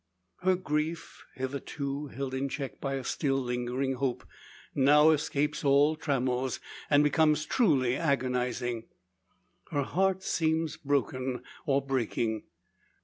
Her grief, hitherto held in check by a still lingering hope, now escapes all trammels, and becomes truly agonising. Her heart seems broken, or breaking.